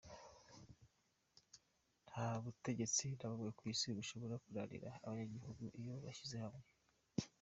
Nta butegetsi na bumwe kw’isi bushobora kunanira abanyagihugu iyo bashyize hamwe.